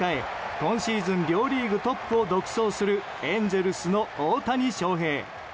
今シーズン両リーグトップを独走するエンゼルスの大谷翔平。